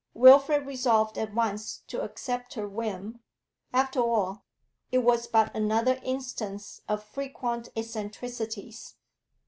Wilfrid resolved at once to accept her whim; after all, it was but another instance of frequent eccentricities.